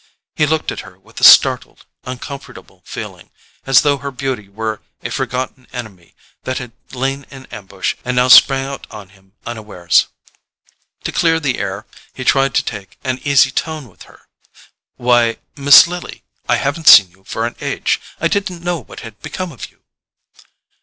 He looked at her with a startled uncomfortable feeling, as though her beauty were a forgotten enemy that had lain in ambush and now sprang out on him unawares. To clear the air he tried to take an easy tone with her. "Why, Miss Lily, I haven't seen you for an age. I didn't know what had become of you."